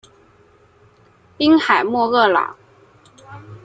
滨海莫厄朗。